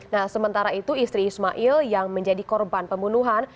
nah sementara itu istri ismail yang menjadi korban pembunuhan